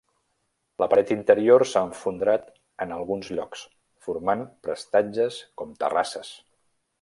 La paret interior s'ha esfondrat en alguns llocs, formant prestatges com terrasses.